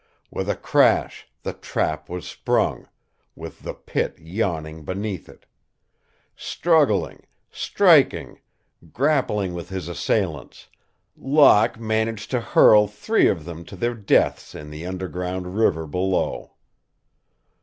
With a crash the trap was sprung, with the pit yawning beneath it. Struggling, striking, grappling with his assailants, Locke managed to hurl three of them to their deaths in the underground river below.